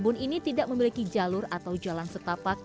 kebun ini tidak memiliki jalur atau jalan setapak